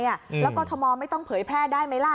แล้วกรทมไม่ต้องเผยแพร่ได้ไหมล่ะ